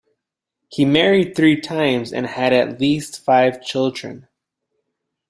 He married three times and had at least five children.